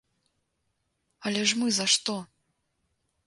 Але ж мы за што?